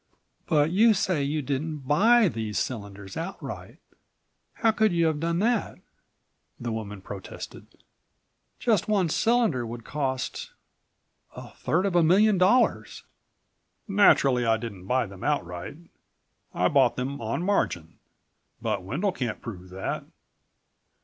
"But you say you didn't buy those cylinders outright. How could you have done that?" the woman protested. "Just one cylinder would cost a third of a million dollars." "Naturally I didn't buy them outright. I bought them on margin. But Wendel can't prove that.